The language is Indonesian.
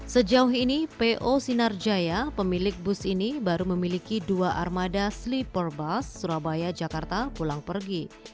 sejauh ini po sinarjaya pemilik bus ini baru memiliki dua armada sleeper bus surabaya jakarta pulang pergi